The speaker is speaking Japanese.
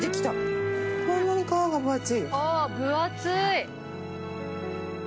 こんなに皮が分厚い。